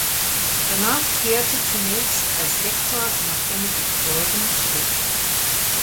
Danach kehrte zunächst als Lektor nach Benediktbeuern zurück.